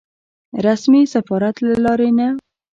رسمي سفارت له لارې نه.